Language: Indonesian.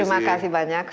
terima kasih banyak